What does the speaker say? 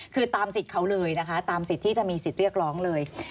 คือตามสิทธิ์เขาเลยนะคะตามสิทธิ์ที่จะมีสิทธิ์เรียกร้องเลย